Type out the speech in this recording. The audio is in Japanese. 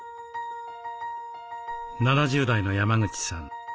７０代の山口さん